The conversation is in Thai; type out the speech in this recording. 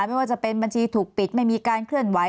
ไม่ว่าจะเป็นบัญชีถูกปิดไม่มีการเคลื่อนไหว